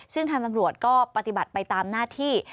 ซึ่งทางตำรวจก็ปฏิบัติไปตามหน้าที่